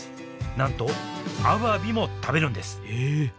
なんとアワビも食べるんですえ！